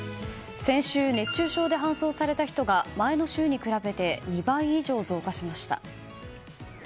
先週、熱中症で搬送された人が前の週に比べて２倍以上増加しました。